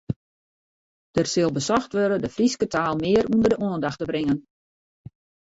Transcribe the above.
Der sil besocht wurde de Fryske taal mear ûnder de oandacht te bringen.